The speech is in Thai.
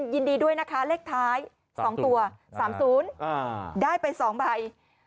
ยินดีด้วยนะคะเลขท้าย๒ตัว๓๐ได้ไป๒ใบ